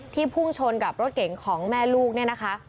พุ่งชนกับรถเก่งของแม่ลูกเนี่ยนะคะ